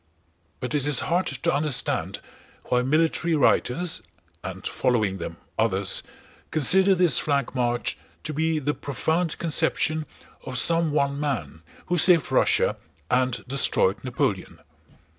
But it is hard to understand why military writers, and following them others, consider this flank march to be the profound conception of some one man who saved Russia and destroyed Napoleon.